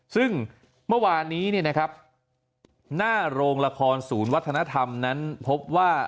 ซึ่งเมื่อวานนี้หน้าโรงละครศูนย์วัฒนธรรมนั้นพบว่า